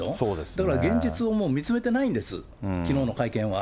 だから現実を見つめてないんです、きのうの会見は。